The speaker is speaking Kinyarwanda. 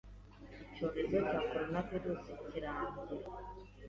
icyorezo cya koronavirusi kirangira